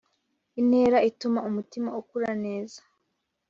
intera ituma umutima ukura neza